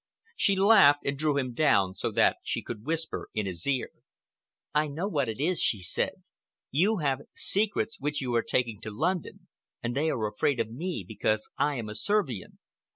She laughed and drew him down so that she could whisper in his ear. "I know what it is," she said. "You have secrets which you are taking to London, and they are afraid of me because I am a Servian.